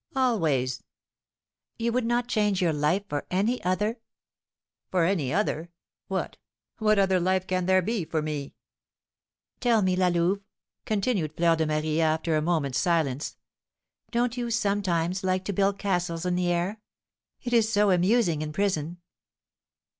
"Always." "You would not change your life for any other?" "For any other? What what other life can there be for me?" "Tell me, La Louve," continued Fleur de Marie, after a moment's silence, "don't you sometimes like to build castles in the air? It is so amusing in prison."